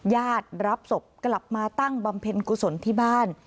ญาติรับศพกลับมาตั้งบำเพ็ญกุศลที่บ้าน